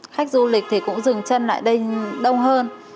khách du lịch thì cũng dừng chân lại đây đông hơn